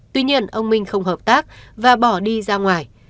tuy nhiên ông minh không hợp tác và bỏ đi ra ngoài